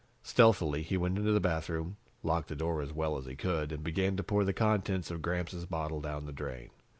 Stealthily, he went into the bathroom, locked the door as well as he could and began to pour the contents of Gramps' bottle down the drain.